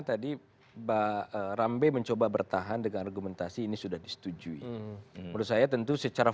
tadi mbak rambe mencoba bertahan dengan argumentasi ini sudah disetujui menurut saya tentu secara